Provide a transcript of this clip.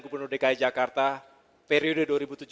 gubernur dki jakarta periode